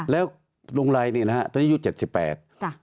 แล้วลุงไรเนี่ยนะฮะตอนนี้อายุเจ็ดสิบแปดจ้ะ